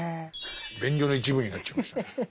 便所の一部になっちゃいましたね。